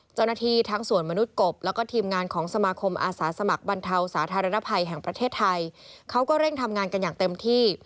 เจ้าหน้าที่ทั้งส่วนมนุษย์กบแล้วก็ทีมงานของสมาคมอาสาสมัครบรรเทาสาธารณภัยแห่งประเทศไทยเขาก็เร่งทำงานกันอย่างเต็มที่